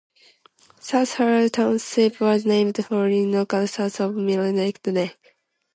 South Harbor Township was named for its location south of Mille Lacs Lake.